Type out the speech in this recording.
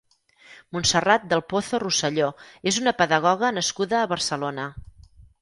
Montserrat del Pozo Roselló és una pedagoga nascuda a Barcelona.